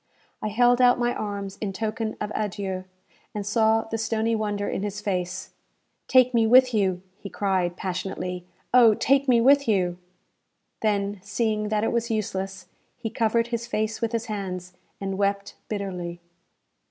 I held out my arms in token of adieu, and saw the stony wonder in his face. "Take me with you!" he cried, passionately; "Oh, take me with you!" Then, seeing that it was useless, he covered his face with his hands, and wept bitterly.